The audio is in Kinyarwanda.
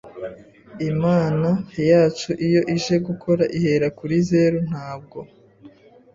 Imana yacu iyo ije gukora ihera kuri zero ntabwo